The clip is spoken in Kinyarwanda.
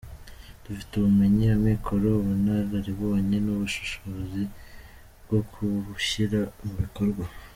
Dufite ubumenyi, amikoro, ubunararibonye n’ubushobozi bwo kuwushyira mu bikorwa.